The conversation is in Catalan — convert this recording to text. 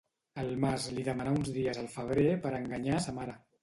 El març li demanà uns dies al febrer per enganyar sa mare.